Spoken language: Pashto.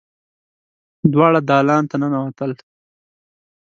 دواړه دالان ته ننوتل.